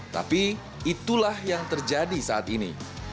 tapi itulah yang terjadi saat ini